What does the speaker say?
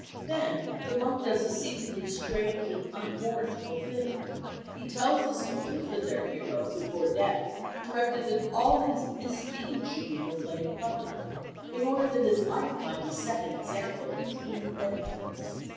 Then the monk does a seemingly strange and unwarrantable thing. He tells the soldiers that their hero, before death, directed that all his misdeeds should be proclaimed publicly, in order that his life might set an example in true penitence.